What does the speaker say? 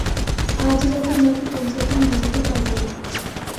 আজ রাতে মাকে কনসার্টে নিয়ে যেতে পারব না।